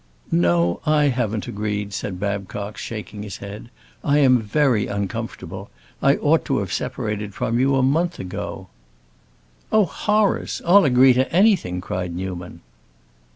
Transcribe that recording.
"No, I haven't agreed," said Babcock, shaking his head. "I am very uncomfortable. I ought to have separated from you a month ago." "Oh, horrors! I'll agree to anything!" cried Newman.